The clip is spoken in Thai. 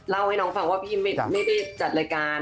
ให้น้องฟังว่าพี่ไม่ได้จัดรายการ